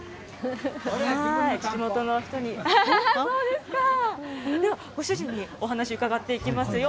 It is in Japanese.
地元の人に、では、ご主人にお話を伺っていきますよ。